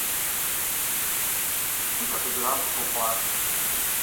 Сыт абы зэран къыхуэхъуар?